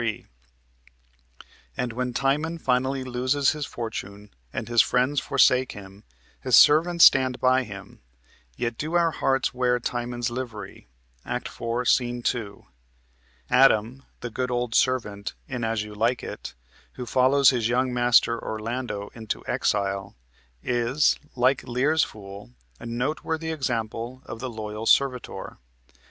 3), and when Timon finally loses his fortune and his friends forsake him, his servants stand by him. "Yet do our hearts wear Timon's livery" (Act 4, Sc. 2). Adam, the good old servant in "As You Like It," who follows his young master Orlando into exile, is, like Lear's fool, a noteworthy example of the loyal servitor.